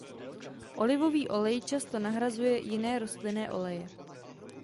Olivový olej často nahrazuje jiné rostlinné oleje.